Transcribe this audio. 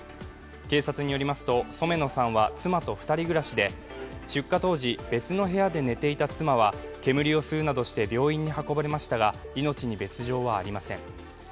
警察によりますと、染野さんは妻と２人暮らしで、出火当時、別の部屋で寝ていた妻は煙を吸うなどして病院に運ばれましたが命に別状はありません。